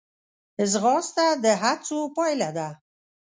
ځغاسته د هڅو پایله ده